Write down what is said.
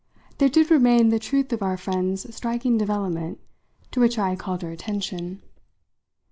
There did remain the truth of our friend's striking development, to which I had called her attention.